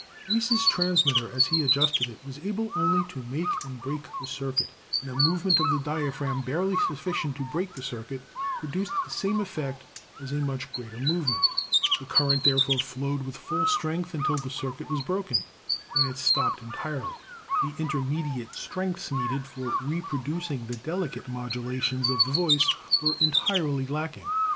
Reis' transmitter, as he adjusted it, was able only to make and break the circuit, and a movement of the dia phragm barely sufficient to break the circuit produced the same effect as a much greater movement. The current Fig. 32 — Sound Waves of Voice and Simple Musical Note. (From Miller's American Telephone Practice.) therefore flowed with full strength until the circuit was broken, when it stopped entirely. The intermediate strengths needed for reproducing the delicate modulations of the voice were entirely lacking.